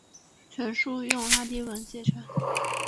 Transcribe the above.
全书用拉丁文写成。